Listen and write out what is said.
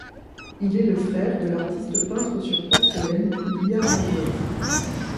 Il est le frère de l'artiste peintre sur porcelaine Lia Raiwez.